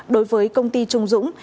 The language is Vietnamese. đối với công ty trung dũng